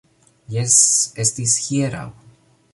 Jes... estis hieraŭ...